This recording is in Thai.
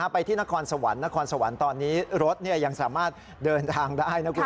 ไปที่นครสวรรค์นครสวรรค์ตอนนี้รถยังสามารถเดินทางได้นะคุณ